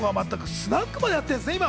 スナックまでやってるんですね。